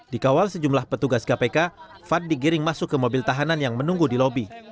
dikawal sejumlah petugas kpk fad digiring masuk ke mobil tahanan yang menunggu di lobi